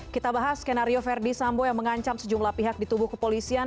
kita bahas skenario verdi sambo yang mengancam sejumlah pihak di tubuh kepolisian